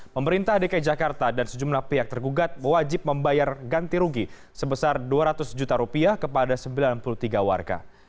pemerintah dki jakarta dan sejumlah pihak tergugat wajib membayar ganti rugi sebesar dua ratus juta rupiah kepada sembilan puluh tiga warga